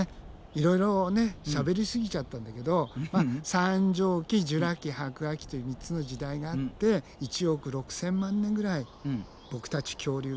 いろいろしゃべりすぎちゃったんだけど三畳紀ジュラ紀白亜紀という３つの時代があって１億６，０００万年ぐらいボクたち恐竜がね